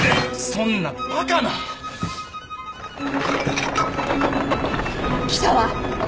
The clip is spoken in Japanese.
そんなバカな！来たわ。